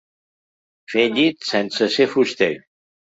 Fer llit sense ser fuster.